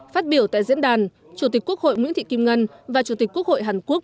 phát biểu tại diễn đàn chủ tịch quốc hội nguyễn thị kim ngân và chủ tịch quốc hội hàn quốc